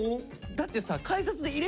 だってさ